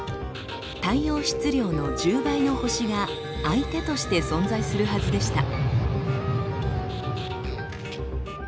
太陽質量の１０倍の星が相手として存在するはずでした。